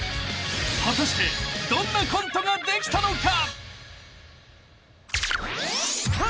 ［果たしてどんなコントができたのか？］